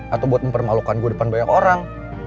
atau buat mempermalukan go depan banyak orang